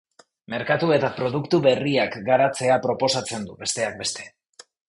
Merkatu eta produktu berriak garatzea proposatzen du, besteak beste.